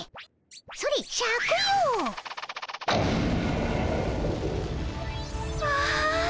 それシャクよ！わ！